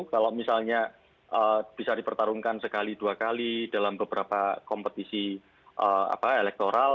kalau misalnya bisa dipertarungkan sekali dua kali dalam beberapa kompetisi elektoral